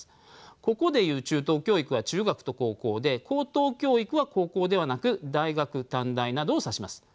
ここでいう中等教育は中学と高校で高等教育は高校ではなく大学・短大などを指します。